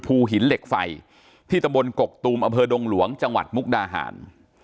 ภูหินเหล็กไฟที่ตะบนกกตูมอดงหลวงจมุกราหาร